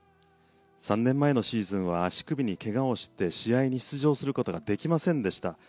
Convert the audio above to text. ３年前のシーズンは足首にけがをして試合に出場することができませんでした。